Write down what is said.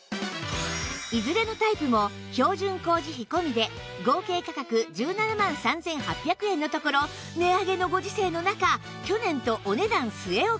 いずれのタイプも標準工事費込みで合計価格１７万３８００円のところ値上げのご時世の中去年とお値段据え置き